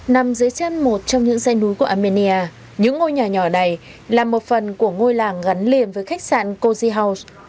nằm dưới chân một trong những dây núi của armenia những ngôi nhà nhỏ này là một phần của ngôi làng gắn liền với khách sạn cozy house